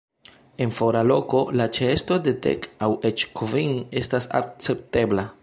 En fora loko, la ĉeesto de dek aŭ eĉ kvin estas akceptebla.